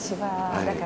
だから。